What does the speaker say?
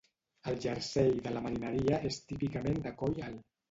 El jersei de la marineria és típicament de coll alt.